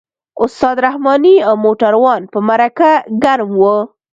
استاد رحماني او موټروان په مرکه ګرم وو.